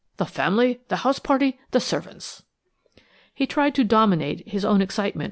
The family, the house party, the servants." He tried to dominate his own excitement.